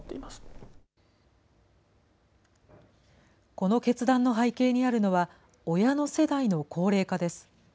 この決断の背景にあるのは、親の世代の高齢化です。